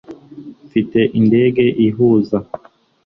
mfite indege ihuza